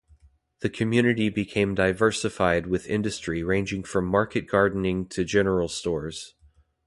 The community became diversified with industry ranging from market gardening to general stores.